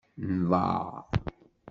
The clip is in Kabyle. Nḍaɛ.